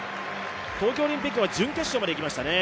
東京オリンピックは準決勝までいきましたね。